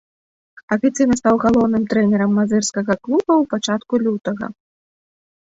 Афіцыйна стаў галоўным трэнерам мазырскага клуба ў пачатку лютага.